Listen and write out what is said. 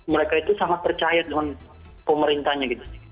mereka itu sangat percaya dengan pemerintahnya gitu